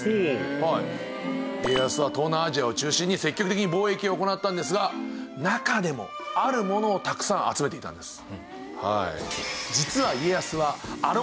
家康は東南アジアを中心に積極的に貿易を行ったんですが中でもあるものをたくさん集めていたんです。